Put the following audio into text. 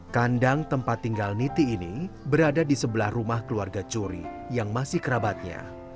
kandang tempat tinggal niti ini berada di sebelah rumah keluarga curi yang masih kerabatnya